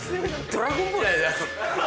『ドラゴンボール』